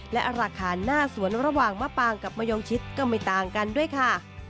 และราคาหน้าสวนระหว่างมะปางกับมะยองชิดก็ไม่ต่างกันด้วยค่ะ